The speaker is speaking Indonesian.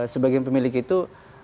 sebagian pemilik itu